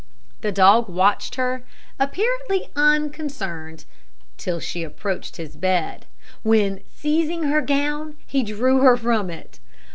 The dog watched her, apparently unconcerned, till she approached his bed, when, seizing her gown, he drew her from it.